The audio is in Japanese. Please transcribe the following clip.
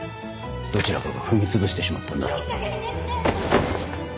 どちらかが踏みつぶしてしまったんだろう。